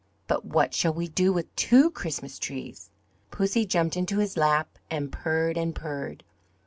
But what shall we do with two Christmas trees?" Pussy jumped into his lap and purred and purred.